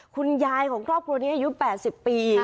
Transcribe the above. คุณยายของครอบครัวนี้อายุ๘๐ปี